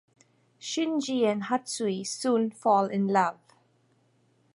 Shinji and Hatsue soon fall in love.